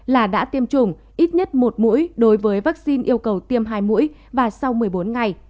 là đã tiêm chủng ít nhất một mũi đối với vaccine yêu cầu tiêm hai mũi và sau một mươi bốn ngày